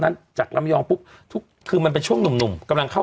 จากลำยองปุ๊บทุกคือมันเป็นช่วงหนุ่มหนุ่มกำลังเข้า